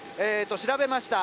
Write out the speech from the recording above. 調べました。